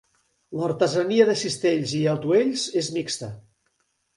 L'artesania de cistells i atuells és mixta.